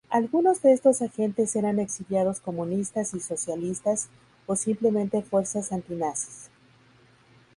Algunos de esos agentes eran exiliados comunistas y socialistas, o simplemente fuerzas antinazis.